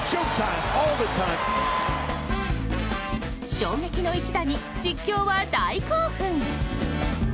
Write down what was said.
衝撃の一打に実況は大興奮。